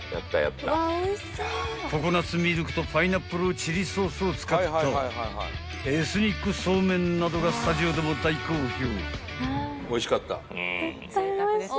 ［ココナッツミルクとパイナップルチリソースを使ったエスニックそうめんなどがスタジオでも大好評］